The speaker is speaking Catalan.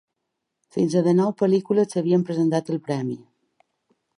Fins a dinou pel·lícules s’havien presentat al premi.